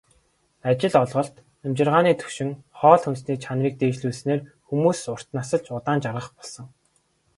Ажил олголт, амьжиргааны түвшин, хоол хүнсний чанарыг дээшлүүлснээр хүмүүс урт насалж, удаан жаргах болсон.